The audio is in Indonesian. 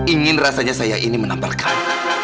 ingin rasanya saya ini menampar kamu